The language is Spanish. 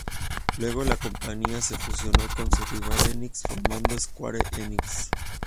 Luego la compañía se fusionó con su rival Enix, formando Square Enix.